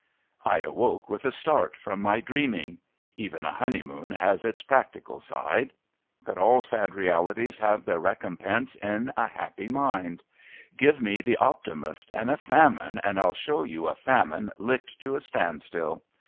I awoke with a start from my dreaming. Even a honeymoon has its practical side! But all sad realities have their recompense in a happy mind. Give me the optimist and a famine and I'll show you a famine licked to a standstill.